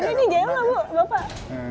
bulemini jahil lah bu bapak